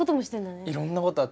いろんなことあったね。